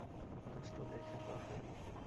দোস্ত, দেখে পা ফেল।